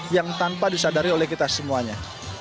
yang tanpa disadari oleh kita semuanya